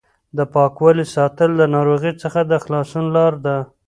د پاکوالي ساتل د ناروغۍ څخه د خلاصون لار ده.